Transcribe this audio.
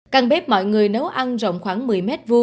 căn bếp mọi người nấu ăn rộng khoảng một mươi m hai